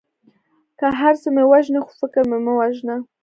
که هر څه مې وژنې خو فکر مې مه وژنه.